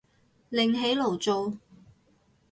另起爐灶